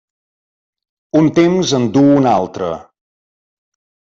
Un temps en du un altre.